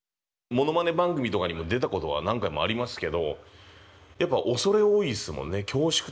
番組とかにも出たことは何回もありますけどやっぱ恐れ多いですもんね恐縮というか。